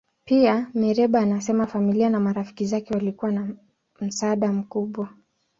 Pia, Mereba anasema familia na marafiki zake walikuwa na msaada mkubwa.